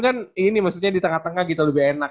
kan ini maksudnya di tengah tengah kita lebih enak